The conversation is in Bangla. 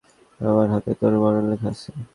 আমার হাতেই তোর মরণ লেখা আছে।